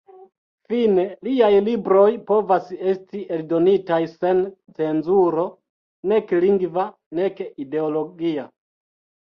Fine liaj libroj povas esti eldonitaj sen cenzuro, nek lingva nek ideologia.